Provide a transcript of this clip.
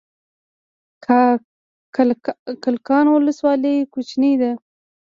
کلکان ولسوالۍ کوچنۍ ده؟